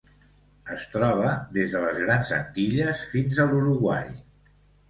Es troba des de les Grans Antilles fins a l'Uruguai.